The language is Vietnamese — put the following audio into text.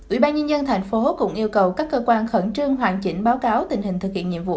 ủy ban nhân dân thành phố cũng yêu cầu các cơ quan khẩn trương hoàn chỉnh báo cáo tình hình thực hiện nhiệm vụ